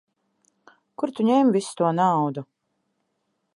Kur tu ņēmi visu to naudu?